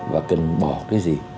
và cần bỏ cái gì